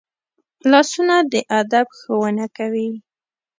لاسونه د ادب ښوونه کوي